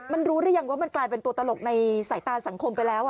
มันรู้หรือยังว่ามันกลายเป็นตัวตลกในสายตาสังคมไปแล้ว